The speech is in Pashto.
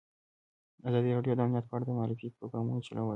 ازادي راډیو د امنیت په اړه د معارفې پروګرامونه چلولي.